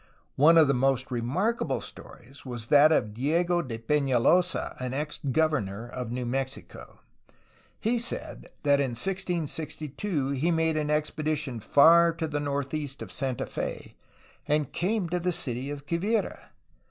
One of the most remarkable stories was that of Diego de Pefialosa, an ex governor of New Mexico. He said that in 1662 he made an expedition far to the northeast of Santa Fe, and came to the city of Quivira.